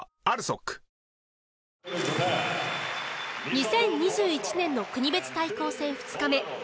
２０２１年の国別対抗戦２日目。